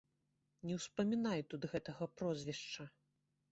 Не ўспамінай тут гэтага прозвішча.